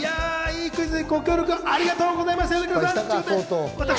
いいクイズにご協力ありがとうございました。